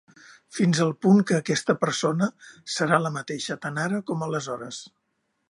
Fins al punt que aquesta persona serà la mateixa tant ara com aleshores.